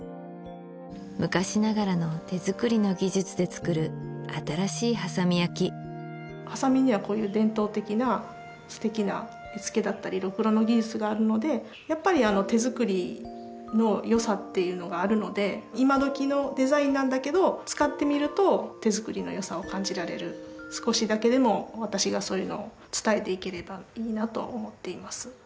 昔ながらの手作りの技術で作る新しい波佐見焼波佐見にはこういう伝統的な素敵な絵付けだったりろくろの技術があるのでやっぱり手作りの良さっていうのがあるので今どきのデザインなんだけど使ってみると手作りの良さを感じられる少しだけでも私がそういうのを伝えていければいいなと思っています